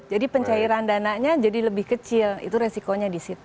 jadi pencairan dananya jadi lebih kecil itu risikonya disitu